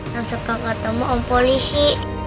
langsung kakak temu om polisi